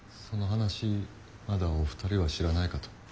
その話まだお二人は知らないかと。